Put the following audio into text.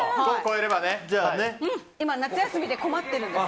今、夏休みで困ってるんです。